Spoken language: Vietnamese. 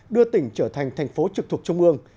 đưa tỉnh trở thành thành phố trực thuộc trung ương